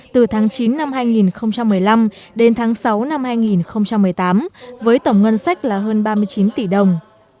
từ tháng chín năm hai nghìn một mươi năm đến tháng sáu năm hai nghìn một mươi tám với tổng ngân sách là hơn ba mươi chín tỷ đồng